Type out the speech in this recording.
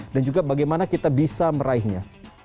dan juga bagaimana kita bisa meraihnya